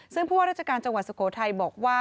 ซึ่งผู้ว่าราชการจังหวัดสุโขทัยบอกว่า